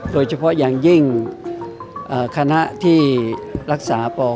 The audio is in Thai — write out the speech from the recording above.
โดยเฉพาะอย่างยิ่งคณะที่รักษาป